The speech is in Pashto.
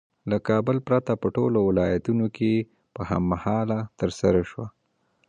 له کابل پرته په ټولو ولایتونو کې په هم مهاله ترسره شوه.